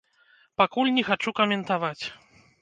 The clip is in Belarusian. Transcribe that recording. Пакуль не хачу каментаваць.